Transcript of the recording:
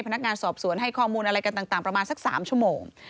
พนักงานสอบสวนให้ข้อมูลอะไรกันต่างประมาณสัก๓ชั่วโมง